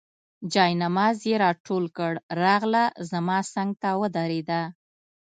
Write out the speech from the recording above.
جاینماز یې راټول کړ، راغله زما څنګ ته ودرېده.